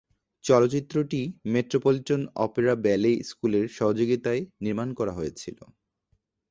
চলচ্চিত্রটি Metropolitan Opera Ballet স্কুলের সহযোগিতায় নির্মান করা হয়েছিল।